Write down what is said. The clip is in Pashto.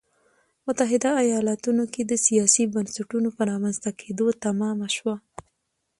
متحده ایالتونو کې د سیاسي بنسټونو په رامنځته کېدو تمامه شوه.